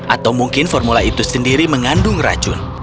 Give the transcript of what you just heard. atau mungkin formula itu sendiri mengandung racun